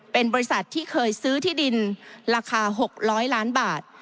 เป็นบริษัทที่เคยซื้อที่ดินราคา๖๐๐ล้านบาท